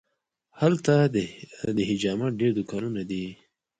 هلته د حجامت ډېر دوکانونه دي.